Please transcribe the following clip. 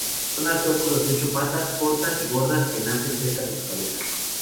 Son artrópodos de ocho patas, cortas y gordas que nacen cerca de su cabeza.